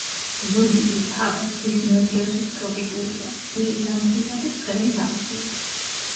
ზუგდიდის ჰავა ზღვის ნოტიო სუბტროპიკულია, თბილი ზამთრითა და ცხელი ზაფხულით.